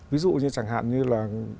ví dụ như chẳng hạn như là